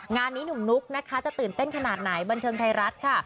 งานนี้หนุ่มนุ๊กนะคะจะตื่นเต้นขนาดไหนบันเทิงไทยรัฐค่ะ